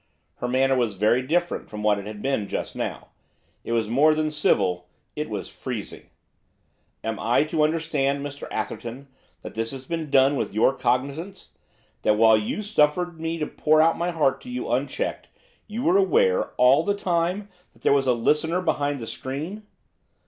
Her manner was very different from what it had been just now, it was more than civil, it was freezing. 'Am I to understand, Mr Atherton, that this has been done with your cognisance? That while you suffered me to pour out my heart to you unchecked, you were aware, all the time, that there was a listener behind the screen?